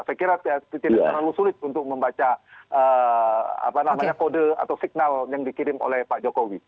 saya kira tidak terlalu sulit untuk membaca kode atau signal yang dikirim oleh pak jokowi